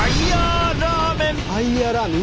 ファイアラーメン？